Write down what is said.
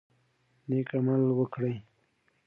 نیک عمل وکړئ.